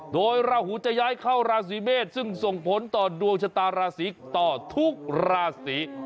โดยราหูจะย้ายเข้าราศีเมษซึ่งส่งผลต่อดวงชะตาราศีต่อทุกราศี